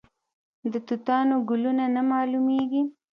د توتانو ګلونه نه معلومیږي؟